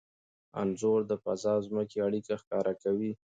انځور د فضا او ځمکې اړیکه ښکاره کوي.